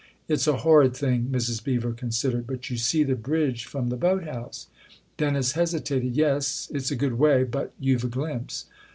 " It's a horrid thing." Mrs. Beever considered. " But you see the bridge from the boat house." Dennis hesitated. "Yes it's a good way, but you've a glimpse."